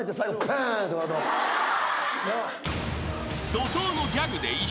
［怒濤のギャグで１笑］